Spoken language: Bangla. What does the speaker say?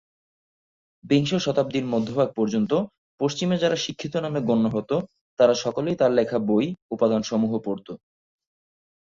বিংশ শতাব্দীর মধ্যভাগ পর্যন্ত পশ্চিমে যারা শিক্ষিত নামে গণ্য হত তারা সকলেই তার লেখা বই, উপাদানসমূহ, পড়ত।